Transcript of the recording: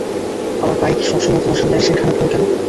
আমার বাইক সব সময় তোমার সামনে এসেই খারাপ হয় কেন?